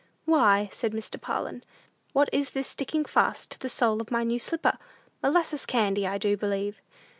"Why," said Mr. Parlin, "what is this sticking fast to the sole of my new slipper? Molasses candy, I do believe."